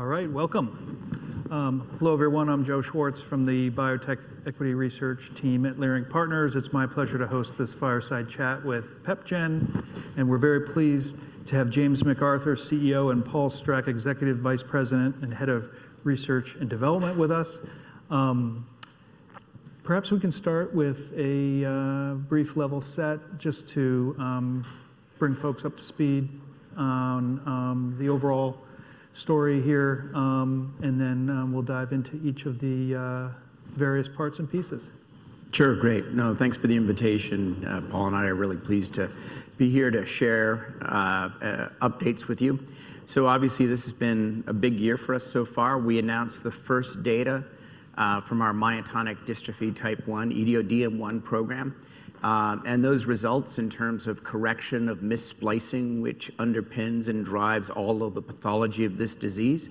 All right, welcome. Hello, everyone. I'm Joe Schwartz from the Biotech Equity Research Team at Leerink Partners. It's my pleasure to host this fireside chat with PepGen. We're very pleased to have James McArthur, CEO, and Paul Streck, Executive Vice President and Head of Research and Development, with us. Perhaps we can start with a brief level set just to bring folks up to speed on the overall story here. Then we'll dive into each of the various parts and pieces. Sure, great. No, thanks for the invitation. Paul and I are really pleased to be here to share updates with you. Obviously, this has been a big year for us so far. We announced the first data from our Myotonic Dystrophy Type 1, EDO DM1 program. Those results, in terms of correction of missplicing, which underpins and drives all of the pathology of this disease,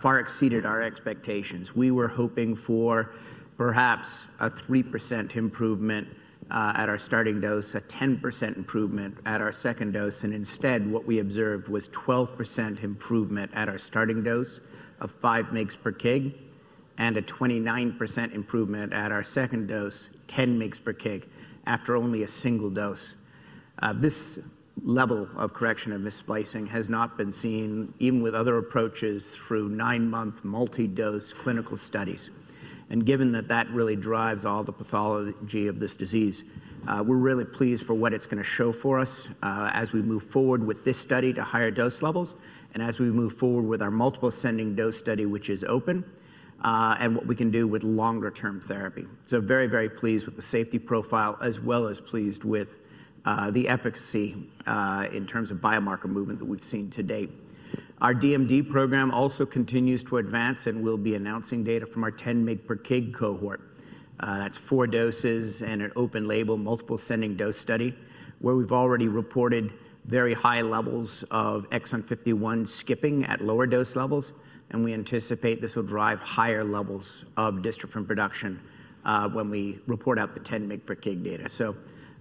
far exceeded our expectations. We were hoping for perhaps a 3% improvement at our starting dose, a 10% improvement at our second dose. Instead, what we observed was a 12% improvement at our starting dose of 5 mg/kg, and a 29% improvement at our second dose, 10 mg/kg, after only a single dose. This level of correction of missplicing has not been seen, even with other approaches, through nine-month multi-dose clinical studies. Given that that really drives all the pathology of this disease, we're really pleased for what it's going to show for us as we move forward with this study to higher dose levels, and as we move forward with our multiple ascending dose study, which is open, and what we can do with longer-term therapy. Very, very pleased with the safety profile, as well as pleased with the efficacy in terms of biomarker movement that we've seen to date. Our DMD program also continues to advance and will be announcing data from our 10 mg/kg cohort. That's four doses and an open-label multiple ascending dose study, where we've already reported very high levels of exon 51 skipping at lower dose levels. We anticipate this will drive higher levels of dystrophin production when we report out the 10 mg/kg data.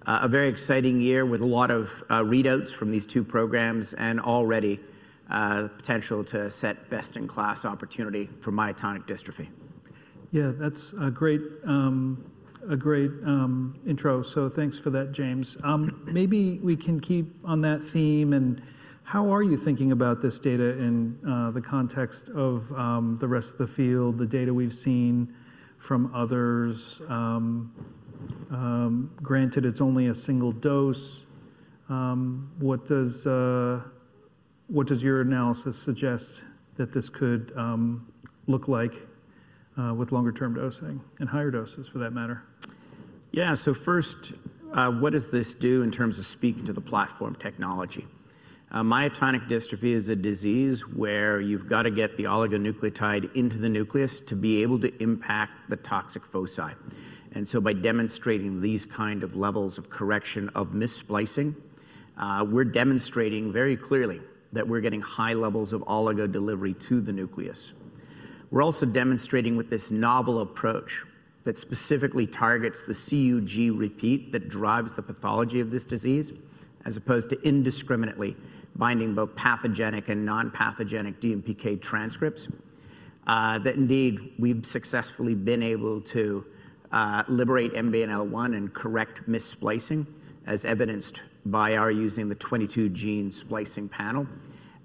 A very exciting year with a lot of readouts from these two programs and already the potential to set best-in-class opportunity for myotonic dystrophy. Yeah, that's a great intro. Thanks for that, James. Maybe we can keep on that theme. How are you thinking about this data in the context of the rest of the field, the data we've seen from others? Granted, it's only a single dose. What does your analysis suggest that this could look like with longer-term dosing and higher doses, for that matter? Yeah, first, what does this do in terms of speaking to the platform technology? Myotonic dystrophy is a disease where you've got to get the oligonucleotide into the nucleus to be able to impact the toxic foci. By demonstrating these kinds of levels of correction of missplicing, we're demonstrating very clearly that we're getting high levels of oligodelivery to the nucleus. We're also demonstrating with this novel approach that specifically targets the CUG repeat that drives the pathology of this disease, as opposed to indiscriminately binding both pathogenic and nonpathogenic DMPK transcripts, that indeed we've successfully been able to liberate MBNL1 and correct missplicing, as evidenced by our using the 22-gene splicing panel.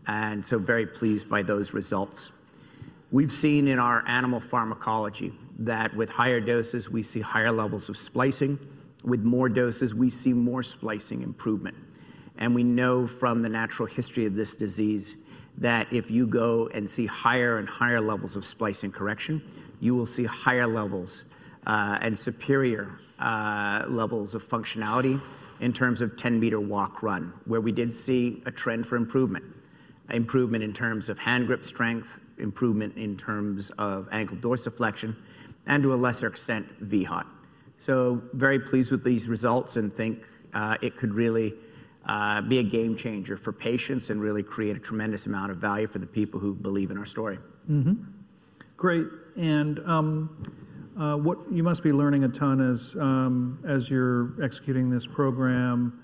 Very pleased by those results. We've seen in our animal pharmacology that with higher doses, we see higher levels of splicing. With more doses, we see more splicing improvement. We know from the natural history of this disease that if you go and see higher and higher levels of splicing correction, you will see higher levels and superior levels of functionality in terms of 10-meter walk-run, where we did see a trend for improvement, improvement in terms of hand grip strength, improvement in terms of ankle dorsiflexion, and to a lesser extent, vHOT. Very pleased with these results and think it could really be a game changer for patients and really create a tremendous amount of value for the people who believe in our story. Great. You must be learning a ton as you're executing this program.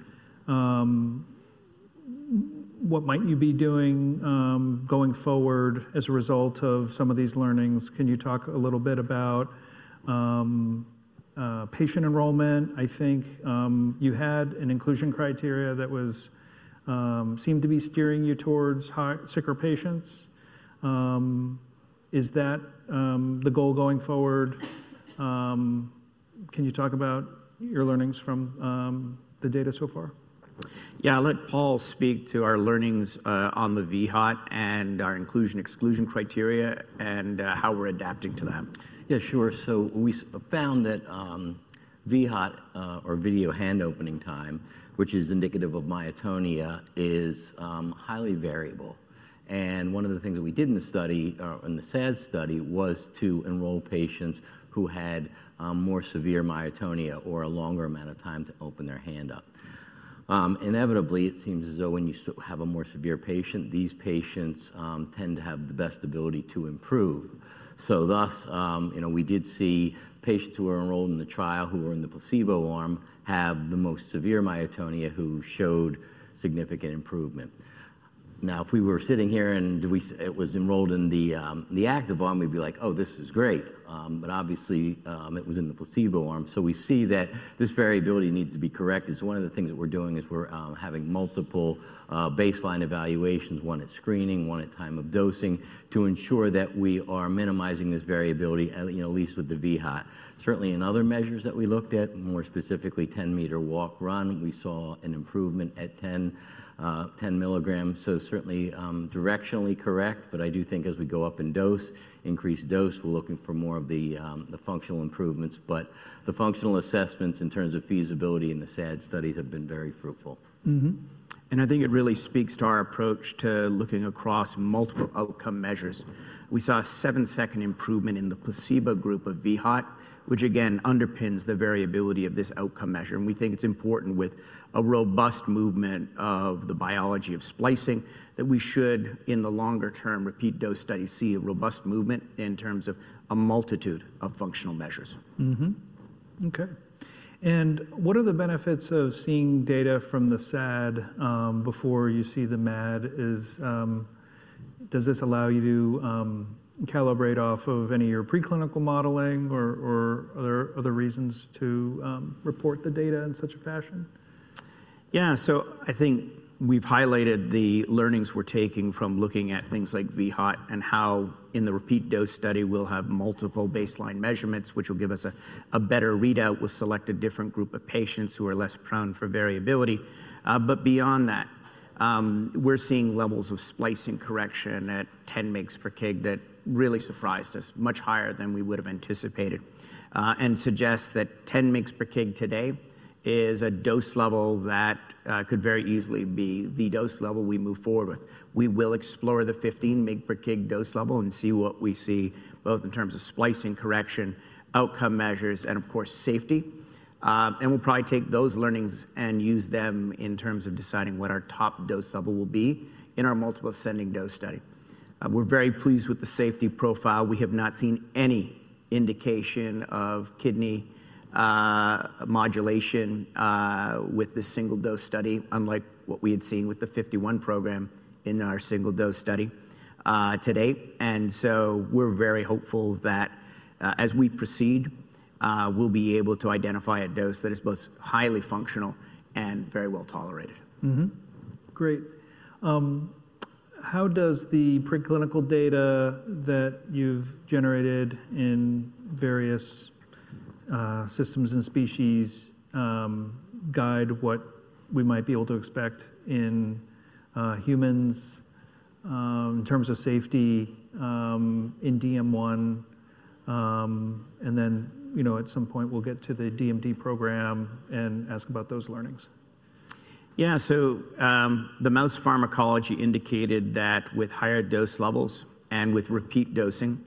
What might you be doing going forward as a result of some of these learnings? Can you talk a little bit about patient enrollment? I think you had an inclusion criteria that seemed to be steering you towards sicker patients. Is that the goal going forward? Can you talk about your learnings from the data so far? Yeah, I'll let Paul Speak to our learnings on the vHOT and our inclusion/exclusion criteria and how we're adapting to that. Yeah, sure. We found that vHOT, or video hand opening time, which is indicative of myotonia, is highly variable. One of the things that we did in the study, in the SAD study, was to enroll patients who had more severe myotonia or a longer amount of time to open their hand up. Inevitably, it seems as though when you have a more severe patient, these patients tend to have the best ability to improve. Thus, we did see patients who were enrolled in the trial who were in the placebo arm have the most severe myotonia who showed significant improvement. Now, if we were sitting here and it was enrolled in the active arm, we'd be like, oh, this is great. Obviously, it was in the placebo arm. We see that this variability needs to be corrected. One of the things that we're doing is we're having multiple baseline evaluations, one at screening, one at time of dosing, to ensure that we are minimizing this variability, at least with the vHOT. Certainly, in other measures that we looked at, more specifically 10-meter walk-run, we saw an improvement at 10 milligrams. Certainly directionally correct. I do think as we go up in dose, increase dose, we're looking for more of the functional improvements. The functional assessments in terms of feasibility in the SAD studies have been very fruitful. I think it really speaks to our approach to looking across multiple outcome measures. We saw a seven-second improvement in the placebo group of vHOT, which again underpins the variability of this outcome measure. We think it's important with a robust movement of the biology of splicing that we should, in the longer-term repeat dose study, see a robust movement in terms of a multitude of functional measures. OK. What are the benefits of seeing data from the SAD before you see the MAD? Does this allow you to calibrate off of any of your preclinical modeling, or are there other reasons to report the data in such a fashion? Yeah, so I think we've highlighted the learnings we're taking from looking at things like vHOT and how in the repeat dose study we'll have multiple baseline measurements, which will give us a better readout with selected different groups of patients who are less prone for variability. Beyond that, we're seeing levels of splicing correction at 10 mg/kg that really surprised us, much higher than we would have anticipated, and suggest that 10 mg/kg today is a dose level that could very easily be the dose level we move forward with. We will explore the 15 mg/kg dose level and see what we see both in terms of splicing correction, outcome measures, and of course, safety. We'll probably take those learnings and use them in terms of deciding what our top dose level will be in our multiple ascending dose study. We're very pleased with the safety profile. We have not seen any indication of kidney modulation with the single dose study, unlike what we had seen with the 51 program in our single dose study to date. We are very hopeful that as we proceed, we'll be able to identify a dose that is both highly functional and very well tolerated. Great. How does the preclinical data that you've generated in various systems and species guide what we might be able to expect in humans in terms of safety in DM1? At some point, we'll get to the DMD program and ask about those learnings. Yeah, so the mouse pharmacology indicated that with higher dose levels and with repeat dosing,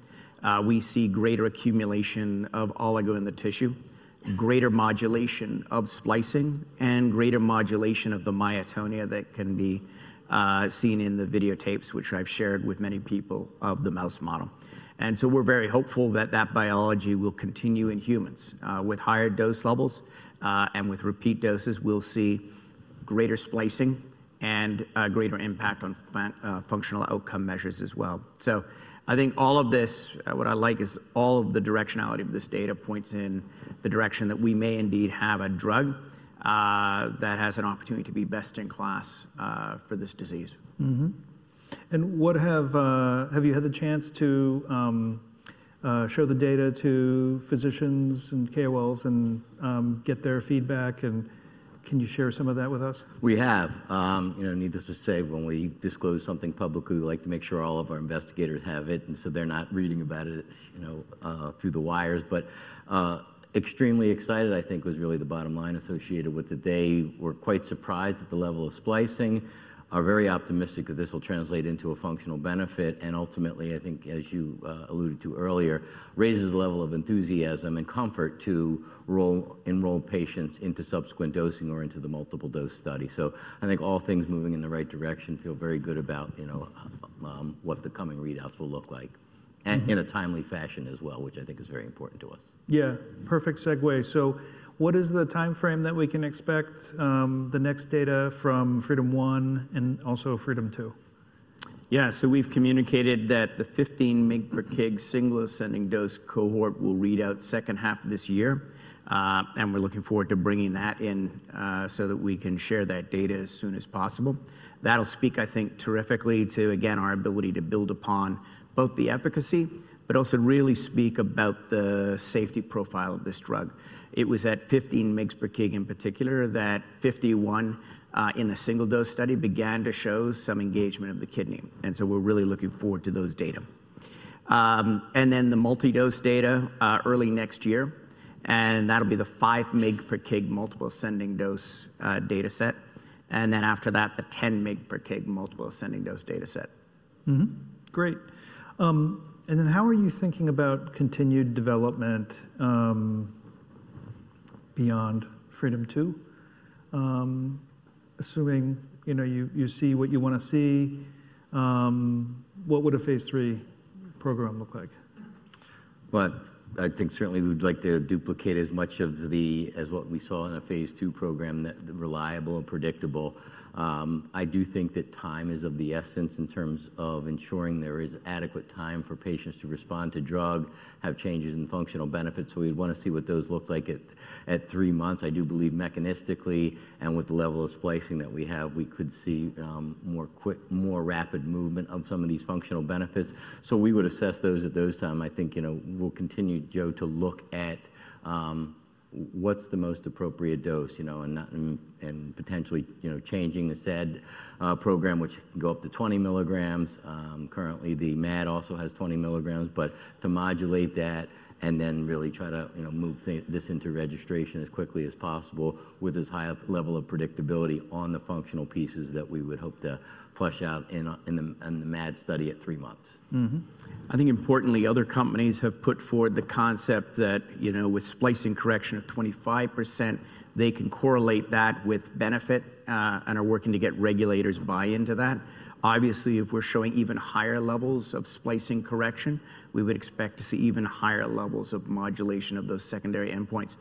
we see greater accumulation of oligo in the tissue, greater modulation of splicing, and greater modulation of the myotonia that can be seen in the videotapes, which I've shared with many people of the mouse model. We are very hopeful that that biology will continue in humans. With higher dose levels and with repeat doses, we'll see greater splicing and greater impact on functional outcome measures as well. I think all of this, what I like is all of the directionality of this data points in the direction that we may indeed have a drug that has an opportunity to be best in class for this disease. Have you had the chance to show the data to physicians and KOLs and get their feedback? Can you share some of that with us? We have. Needless to say, when we disclose something publicly, we like to make sure all of our investigators have it, and so they're not reading about it through the wires. Extremely excited, I think, was really the bottom line associated with it. They were quite surprised at the level of splicing, are very optimistic that this will translate into a functional benefit. Ultimately, I think, as you alluded to earlier, raises the level of enthusiasm and comfort to enroll patients into subsequent dosing or into the multiple dose study. I think all things moving in the right direction feel very good about what the coming readouts will look like, and in a timely fashion as well, which I think is very important to us. Yeah, perfect segue. What is the time frame that we can expect the next data from FREEDOM-DM1 and also FREEDOM2-DM1? Yeah, so we've communicated that the 15 mg/kg single ascending dose cohort will read out second half of this year. We're looking forward to bringing that in so that we can share that data as soon as possible. That'll speak, I think, terrifically to, again, our ability to build upon both the efficacy, but also really speak about the safety profile of this drug. It was at 15 mg/kg in particular that 51 in the single dose study began to show some engagement of the kidney. We're really looking forward to those data. The multi-dose data early next year, that'll be the 5 mg/kg multiple ascending dose data set. After that, the 10 mg/kg multiple ascending dose data set. Great. How are you thinking about continued development beyond FREEDOM2-? Assuming you see what you want to see, what would a phase three program look like? I think certainly we'd like to duplicate as much of what we saw in a phase two program that is reliable and predictable. I do think that time is of the essence in terms of ensuring there is adequate time for patients to respond to drug, have changes in functional benefits. We'd want to see what those look like at three months. I do believe mechanistically and with the level of splicing that we have, we could see more rapid movement of some of these functional benefits. We would assess those at those times. I think we'll continue, Joe, to look at what's the most appropriate dose and potentially changing the SAD program, which can go up to 20 milligrams. Currently, the MAD also has 20 milligrams. To modulate that and then really try to move this into registration as quickly as possible with as high a level of predictability on the functional pieces that we would hope to flush out in the MAD study at three months. I think importantly, other companies have put forward the concept that with splicing correction of 25%, they can correlate that with benefit and are working to get regulators' buy-in to that. Obviously, if we're showing even higher levels of splicing correction, we would expect to see even higher levels of modulation of those secondary endpoints.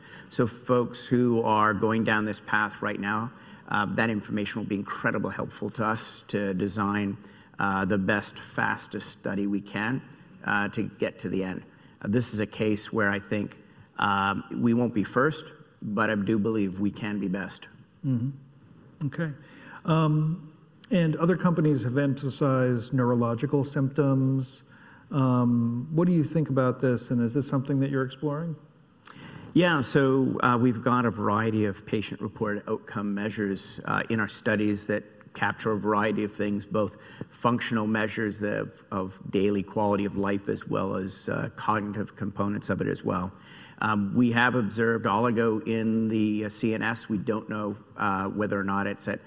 Folks who are going down this path right now, that information will be incredibly helpful to us to design the best, fastest study we can to get to the end. This is a case where I think we won't be first, but I do believe we can be best. OK. Other companies have emphasized neurological symptoms. What do you think about this? Is this something that you're exploring? Yeah, so we've got a variety of patient-reported outcome measures in our studies that capture a variety of things, both functional measures of daily quality of life as well as cognitive components of it as well. We have observed oligo in the CNS. We don't know whether or not it's at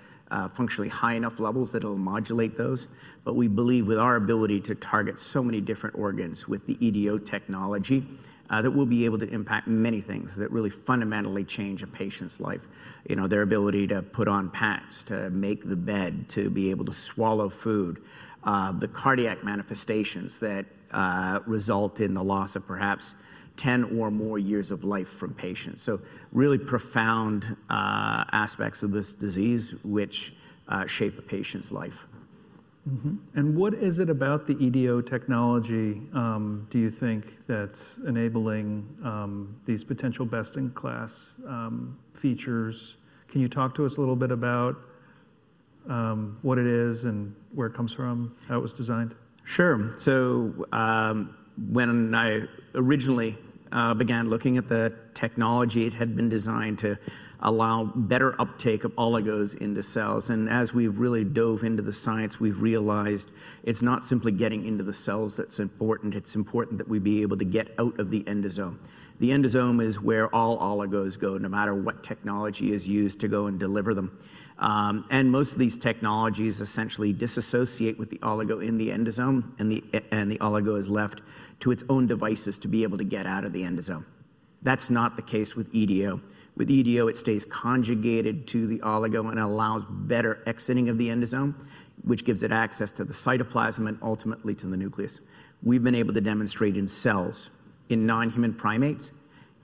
functionally high enough levels that it'll modulate those. But we believe with our ability to target so many different organs with the EDO technology, that we'll be able to impact many things that really fundamentally change a patient's life, their ability to put on pants, to make the bed, to be able to swallow food, the cardiac manifestations that result in the loss of perhaps 10 or more years of life from patients. Really profound aspects of this disease which shape a patient's life. What is it about the EDO technology do you think that's enabling these potential best-in-class features? Can you talk to us a little bit about what it is and where it comes from, how it was designed? Sure. When I originally began looking at the technology, it had been designed to allow better uptake of oligos into cells. As we've really dove into the science, we've realized it's not simply getting into the cells that's important. It's important that we be able to get out of the endosome. The endosome is where all oligos go, no matter what technology is used to go and deliver them. Most of these technologies essentially disassociate with the oligo in the endosome, and the oligo is left to its own devices to be able to get out of the endosome. That's not the case with EDO. With EDO, it stays conjugated to the oligo and allows better exiting of the endosome, which gives it access to the cytoplasm and ultimately to the nucleus. We've been able to demonstrate in cells, in non-human primates,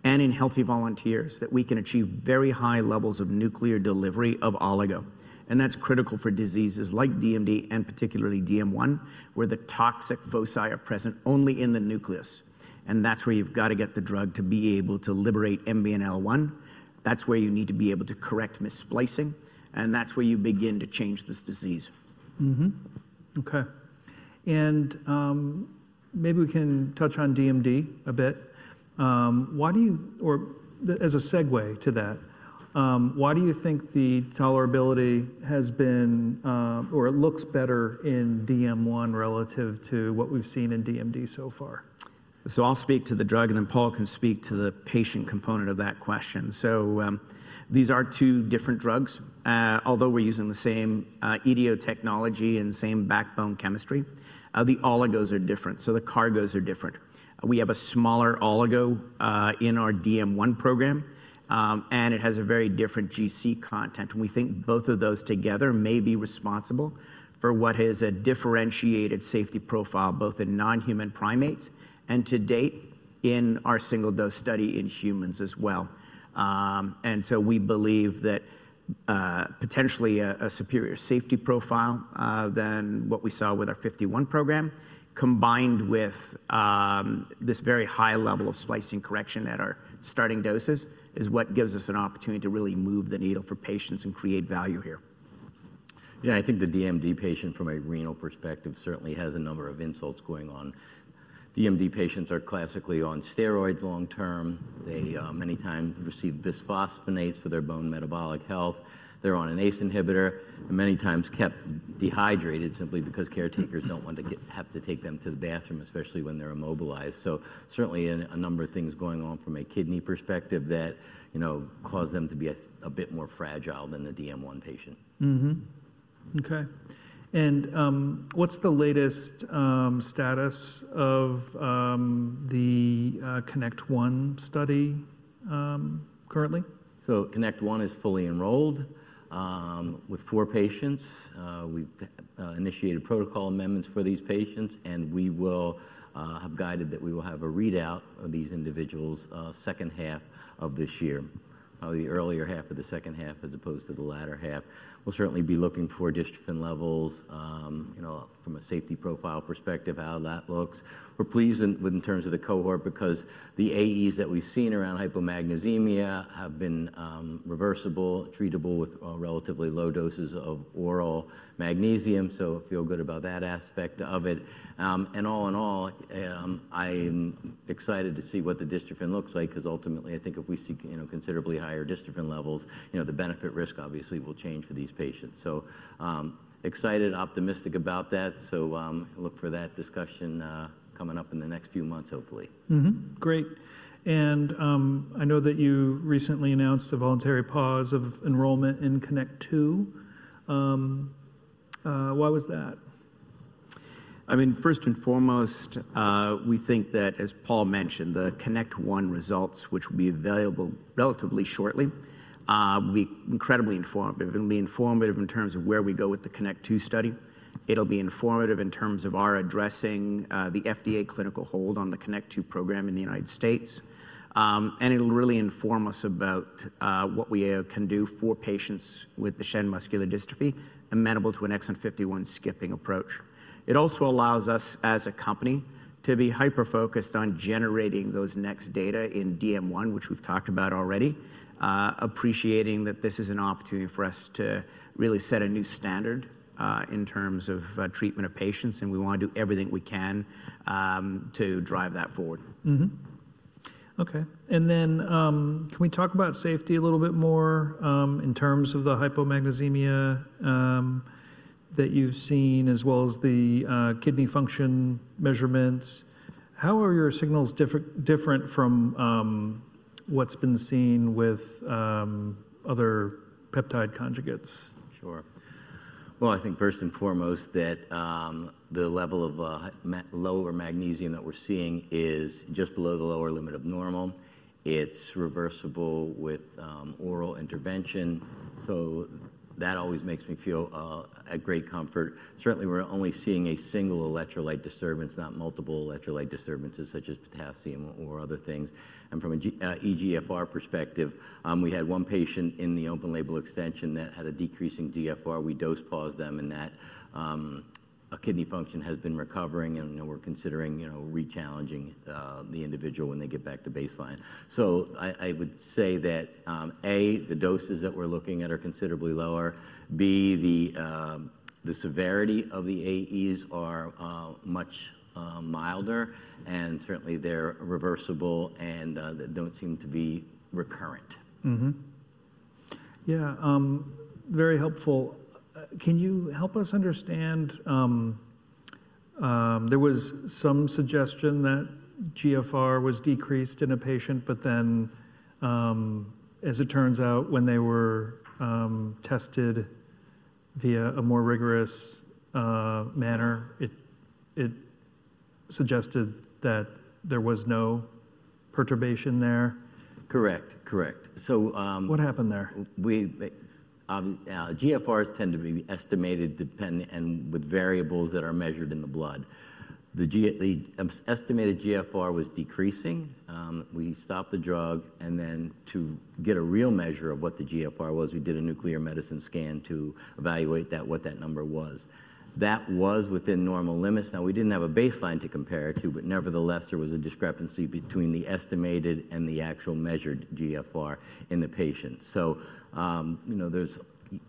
and in healthy volunteers that we can achieve very high levels of nuclear delivery of oligo. That is critical for diseases like DMD and particularly DM1, where the toxic foci are present only in the nucleus. That is where you've got to get the drug to be able to liberate MBNL1. That is where you need to be able to correct missplicing. That is where you begin to change this disease. OK. Maybe we can touch on DMD a bit. As a segue to that, why do you think the tolerability has been or it looks better in DM1 relative to what we've seen in DMD so far? I'll speak to the drug, and then Paul can speak to the patient component of that question. These are two different drugs. Although we're using the same EDO technology and same backbone chemistry, the oligos are different. The cargos are different. We have a smaller oligo in our DM1 program, and it has a very different GC content. We think both of those together may be responsible for what is a differentiated safety profile both in non-human primates and to date in our single dose study in humans as well. We believe that potentially a superior safety profile than what we saw with our 51 program, combined with this very high level of splicing correction at our starting doses, is what gives us an opportunity to really move the needle for patients and create value here. Yeah, I think the DMD patient from a renal perspective certainly has a number of insults going on. DMD patients are classically on steroids long term. They many times receive bisphosphonates for their bone metabolic health. They're on an ACE inhibitor and many times kept dehydrated simply because caretakers don't want to have to take them to the bathroom, especially when they're immobilized. Certainly a number of things going on from a kidney perspective that cause them to be a bit more fragile than the DM1 patient. OK. What is the latest status of the CONNECT1 study currently? CONNECT1 is fully enrolled with four patients. We've initiated protocol amendments for these patients. We will have guided that we will have a readout of these individuals second half of this year, the earlier half of the second half as opposed to the latter half. We'll certainly be looking for dystrophin levels from a safety profile perspective, how that looks. We're pleased in terms of the cohort because the AEs that we've seen around hypomagnesemia have been reversible, treatable with relatively low doses of oral magnesium. I feel good about that aspect of it. All in all, I'm excited to see what the dystrophin looks like because ultimately, I think if we see considerably higher dystrophin levels, the benefit risk obviously will change for these patients. Excited, optimistic about that. Look for that discussion coming up in the next few months, hopefully. Great. I know that you recently announced a voluntary pause of enrollment in CONNECT2. Why was that? I mean, first and foremost, we think that as Paul mentioned, the CONNECT1 results, which will be available relatively shortly, will be incredibly informative. It'll be informative in terms of where we go with the CONNECT2 study. It'll be informative in terms of our addressing the FDA clinical hold on the CONNECT2 program in the United States. It'll really inform us about what we can do for patients with Duchenne muscular dystrophy amenable to an exon 51 skipping approach. It also allows us as a company to be hyper-focused on generating those next data in DM1, which we've talked about already, appreciating that this is an opportunity for us to really set a new standard in terms of treatment of patients. We want to do everything we can to drive that forward. OK. Can we talk about safety a little bit more in terms of the hypomagnesemia that you've seen as well as the kidney function measurements? How are your signals different from what's been seen with other peptide conjugates? Sure. I think first and foremost that the level of lower magnesium that we're seeing is just below the lower limit of normal. It's reversible with oral intervention. That always makes me feel a great comfort. Certainly, we're only seeing a single electrolyte disturbance, not multiple electrolyte disturbances such as potassium or other things. From an eGFR perspective, we had one patient in the open label extension that had a decreasing GFR. We dose-paused them in that. Kidney function has been recovering. We're considering re-challenging the individual when they get back to baseline. I would say that, A, the doses that we're looking at are considerably lower. B, the severity of the AEs are much milder. Certainly, they're reversible and don't seem to be recurrent. Yeah, very helpful. Can you help us understand there was some suggestion that eGFR was decreased in a patient, but then as it turns out, when they were tested via a more rigorous manner, it suggested that there was no perturbation there? Correct. Correct. What happened there? GFRs tend to be estimated with variables that are measured in the blood. The estimated GFR was decreasing. We stopped the drug. To get a real measure of what the GFR was, we did a nuclear medicine scan to evaluate what that number was. That was within normal limits. We did not have a baseline to compare it to, but nevertheless, there was a discrepancy between the estimated and the actual measured GFR in the patient.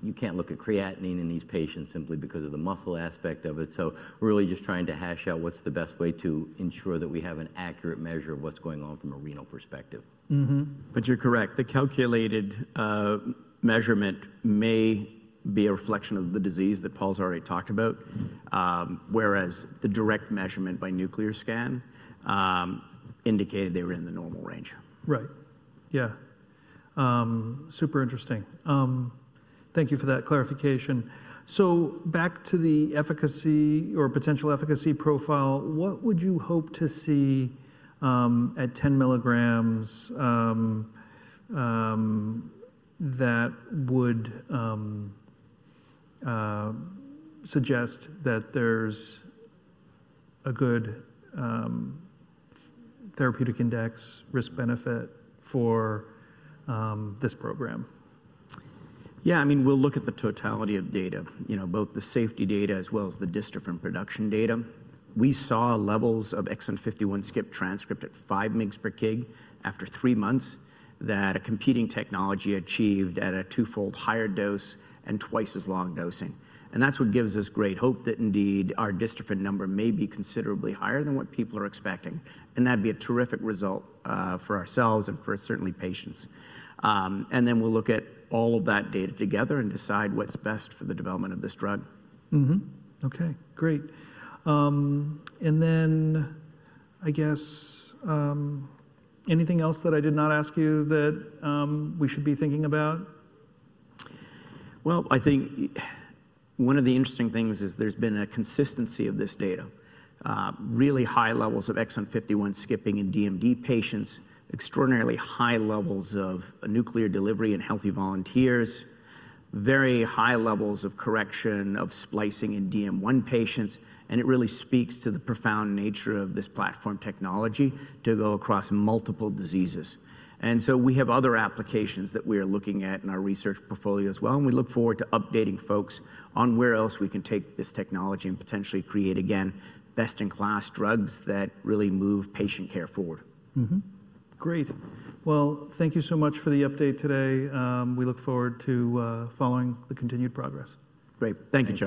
You cannot look at creatinine in these patients simply because of the muscle aspect of it. Really just trying to hash out what is the best way to ensure that we have an accurate measure of what is going on from a renal perspective. You are correct. The calculated measurement may be a reflection of the disease that Paul's already talked about, whereas the direct measurement by nuclear scan indicated they were in the normal range. Right. Yeah, super interesting. Thank you for that clarification. Back to the efficacy or potential efficacy profile, what would you hope to see at 10 milligrams that would suggest that there's a good therapeutic index risk-benefit for this program? Yeah, I mean, we'll look at the totality of data, both the safety data as well as the dystrophin production data. We saw levels of exon 51 skip transcript at 5 mg/kg after three months that a competing technology achieved at a twofold higher dose and twice as long dosing. That's what gives us great hope that indeed our dystrophin number may be considerably higher than what people are expecting. That'd be a terrific result for ourselves and for certainly patients. We'll look at all of that data together and decide what's best for the development of this drug. OK, great. I guess anything else that I did not ask you that we should be thinking about? I think one of the interesting things is there's been a consistency of this data, really high levels of exon 51 skipping in DMD patients, extraordinarily high levels of nuclear delivery in healthy volunteers, very high levels of correction of splicing in DM1 patients. It really speaks to the profound nature of this platform technology to go across multiple diseases. We have other applications that we are looking at in our research portfolio as well. We look forward to updating folks on where else we can take this technology and potentially create again best-in-class drugs that really move patient care forward. Great. Thank you so much for the update today. We look forward to following the continued progress. Great. Thank you.